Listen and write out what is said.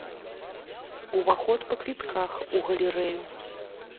Уваход па квітках у галерэю.